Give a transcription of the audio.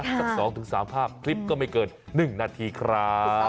สัก๒๓ภาพคลิปก็ไม่เกิน๑นาทีครับ